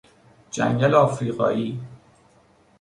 جنگل افریقایی